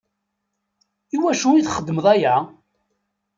I wacu i txedmeḍ aya?